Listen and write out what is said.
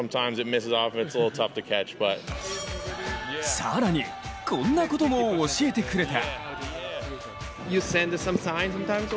更に、こんなことも教えてくれた。